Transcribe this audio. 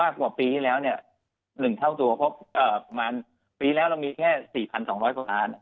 มากกว่าปีที่แล้ว๑เท่าตัวปีแล้วเรามีแค่๔๒๐๐กว่าล้าน